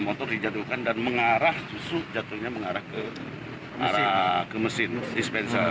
motor dijatuhkan dan mengarah ke mesin dispenser